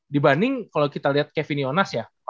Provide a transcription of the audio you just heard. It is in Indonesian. dibanding kalau kita lihat kevin yonas ya